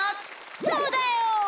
そうだよ！